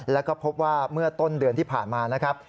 แล้วก็พบว่าเมื่อต้นเดือนที่ผ่านมานะครับ